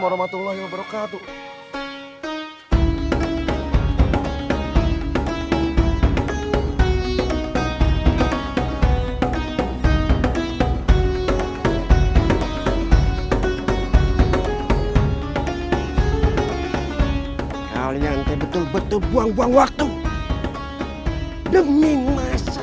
warahmatullahi wabarakatuh kalian tebetu betul buang buang waktu demi masa